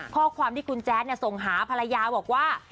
ข้อความที่คุณแจ๊ดส่งหาภรรยาบอกว่า